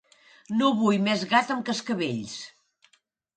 No vull més gat amb cascavells.